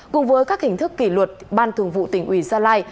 cùng với các hình thức kỷ luật ban thường vụ tỉnh ủy gia lai